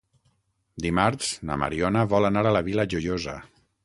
Dimarts na Mariona vol anar a la Vila Joiosa.